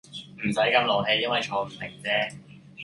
唔使咁勞氣因為坐唔定姐